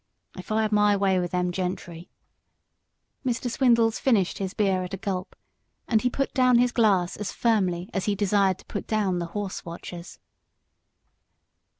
If I had my way with them gentry " Mr. Swindles finished his beer at a gulp, and he put down his glass as firmly as he desired to put down the horse watchers.